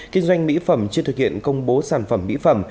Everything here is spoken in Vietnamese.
kinh doanh mỹ phẩm chưa thực hiện công bố sản phẩm mỹ phẩm